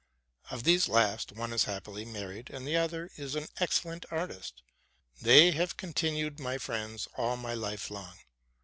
Of these last, one is happily married, and the other is an excellent artist: they have continued my friends all my life long.